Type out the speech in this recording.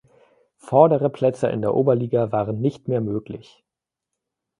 Vordere Plätze in der Oberliga waren nicht mehr möglich.